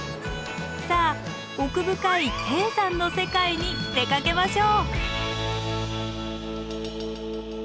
さあ奥深い低山の世界に出かけましょう。